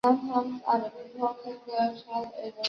本站是所在的快铁支线上唯一一个站台分离的车站。